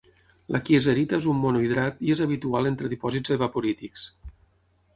La kieserita és un mono-hidrat i és habitual entre dipòsits evaporítics.